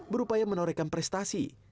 berupaya menorekan prestasi